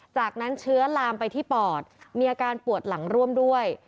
จากนั้นเชื้อลามไปที่ปอดมีอาการปวดหลังร่วมด้วย